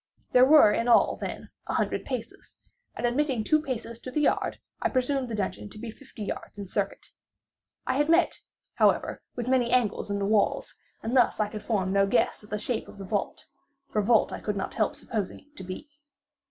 There were in all, then, a hundred paces; and, admitting two paces to the yard, I presumed the dungeon to be fifty yards in circuit. I had met, however, with many angles in the wall, and thus I could form no guess at the shape of the vault, for vault I could not help supposing it to be.